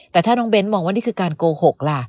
แต่ถ้าน้องเบ้นมองว่านี่คือการโกหกล่ะ